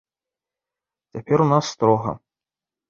Цяпер у нас строга.